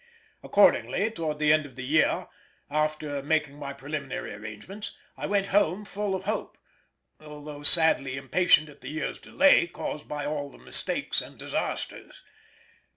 Accordingly, towards the end of the year, after making my preliminary arrangements, I went home full of hope, although sadly impatient at the year's delay caused by all the mistakes and disasters.